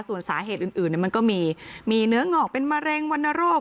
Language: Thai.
ส่วนสาเหตุอื่นมันก็มีมีเนื้องอกเป็นมะเร็งวรรณโรค